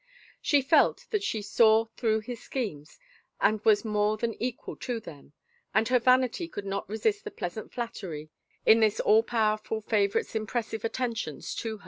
She felt that she saw through his schemes and was more than equal to them, and her vanity could not resist the pleasant flattery in this all powerful favorite's impressive attentions to her.